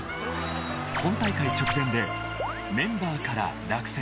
［本大会直前でメンバーから落選］